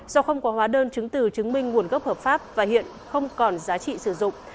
do không có hóa đơn chứng từ chứng minh nguồn gốc hợp pháp và hiện không còn giá trị sử dụng